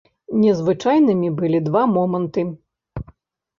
Незвычайнымі былі два моманты.